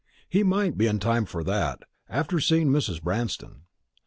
He might be in time for that, after seeing Mrs. Branston.